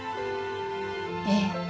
ええ。